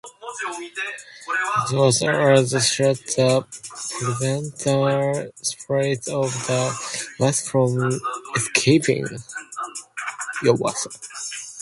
The doors are shut to prevent the spirits of the rice from escaping.